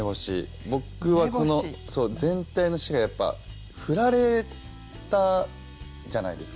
僕はこの全体の詩がやっぱ振られたじゃないですか。